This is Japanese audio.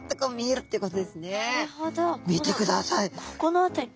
ここの辺り。